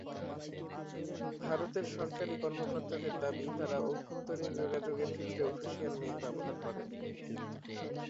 ভারতের সরকারি কর্মকর্তাদের দাবি, তারা অভ্যন্তরীণ যোগাযোগের ক্ষেত্রে অফিশিয়াল মেইল ব্যবহার করেন।